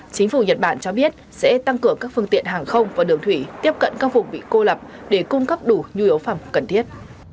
chính phủ nhật bản cho biết sẽ tăng cửa các phương tiện hàng không và đường thủy tiếp cận các vùng bị cô lập để cung cấp đủ nhu yếu phẩm cần thiết